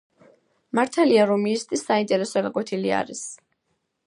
მართალია რომ ისტი საინტერესო გაკვეთილი არის